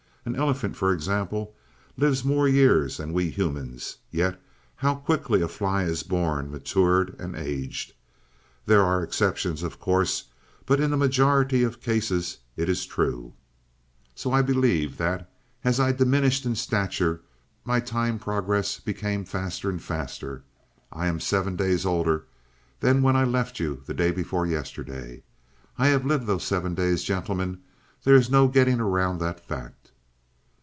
An elephant, for example, lives more years than we humans. Yet how quickly a fly is born, matured, and aged! There are exceptions, of course; but in a majority of cases it is true. "So I believe that as I diminished in stature, my time progress became faster and faster. I am seven days older than when I left you day before yesterday. I have lived those seven days, gentlemen, there is no getting around that fact."